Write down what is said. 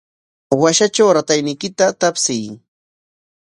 Washatraw ratayniykita tapsiy.